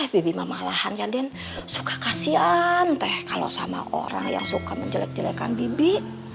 bibimah malahan ya den suka kasihan teh kalau sama orang yang suka menjelek jelekan bibi